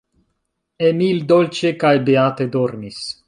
Emil dolĉe kaj beate dormis.